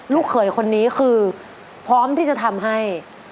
เขยคนนี้คือพร้อมที่จะทำให้